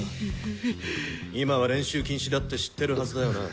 今は練習禁止だって知ってるはずだよな？